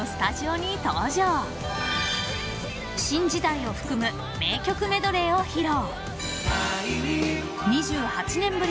［『新時代』を含む名曲メドレーを披露］